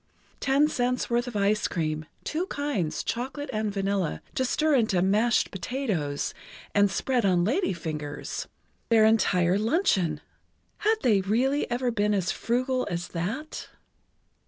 Ten cents' worth of ice cream, two kinds, chocolate and vanilla, to stir into "mashed potatoes" and spread on lady fingers! Their entire luncheon! Had they really ever been as frugal as that?